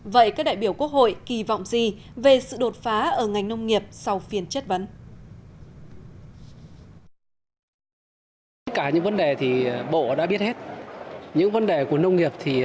vậy các đại biểu quốc hội kỳ vọng gì về sự đột phá ở ngành nông nghiệp sau phiên chất vấn